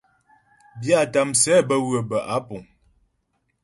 Byâta msɛ bə́ ywə̌ bə́ á puŋ.